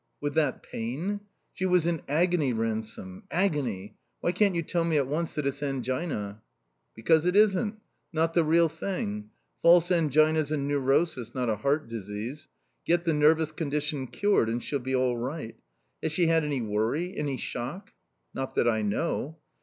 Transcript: "With that pain? She was in agony, Ransome, agony. Why can't you tell me at once that it's angina?" "Because it isn't. Not the real thing. False angina's a neurosis, not a heart disease. Get the nervous condition cured and she'll be all right. Has she had any worry? Any shock?" "Not that I know."